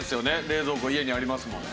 冷蔵庫家にありますもん。